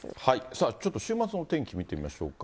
さあ、ちょっと週末のお天気見てみましょうか。